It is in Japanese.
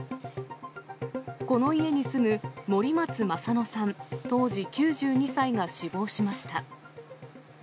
この家に住む森松マサノさん当時９２歳が死亡しました。